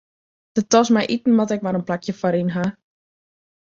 De tas mei iten moat ek mar in plakje foaryn ha.